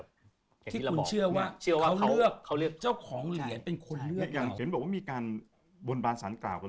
คือบางครั้งก็ต้องมีนะครับ